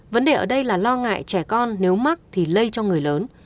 vấn đề ở đây là lo ngại trẻ con nếu mắc thì lây cho người lớn